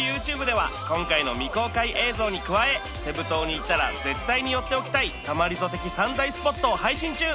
ＹｏｕＴｕｂｅでは今回の未公開映像に加えセブ島に行ったら絶対に寄っておきたいさまリゾ的３大スポットを配信中！